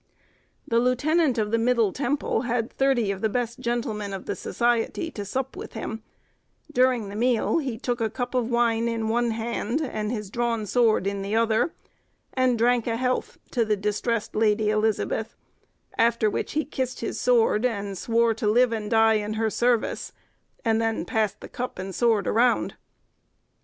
The lieutenant of the Middle Temple had thirty of the best gentlemen of the society to sup with him; during the meal, he took a cup of wine in one hand, and his drawn sword in the other, and drank a health to the distressed Lady Elizabeth, after which he kissed his sword, and swore to live and die in her service, and then passed the cup and sword round.